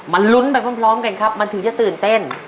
ลุ้นไปพร้อมกันครับมันถึงจะตื่นเต้น